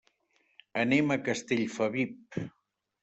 Anem a Castellfabib.